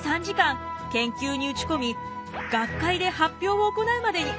研究に打ち込み学会で発表を行うまでに。